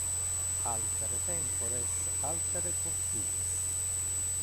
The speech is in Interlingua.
Altere tempores, altere costumes.